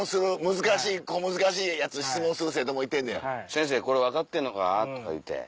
「先生これ分かってんのか？」とか言うて。